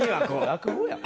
落語やん。